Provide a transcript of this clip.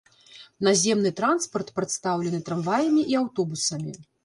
Наземны транспарт прадстаўлены трамваямі і аўтобусамі.